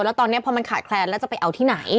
แล้วตอนนี้พอมันขาดแคลนแล้วจะไปเอาที่ไหน